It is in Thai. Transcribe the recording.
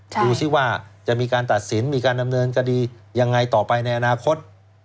ดูสิว่าจะมีการตัดสินมีการดำเนินคดียังไงต่อไปในอนาคต